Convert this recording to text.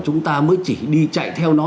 chúng ta mới chỉ đi chạy theo nó